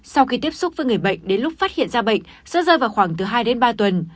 sau khi tiếp xúc với người bệnh đến lúc phát hiện ra bệnh sẽ rơi vào khoảng từ hai đến ba tuần